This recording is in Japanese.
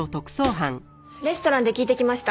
レストランで聞いてきました。